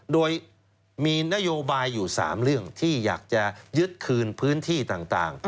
โดยมีนโยบายอยู่๓เรื่องที่อยากจะยึดคืนพื้นที่ต่าง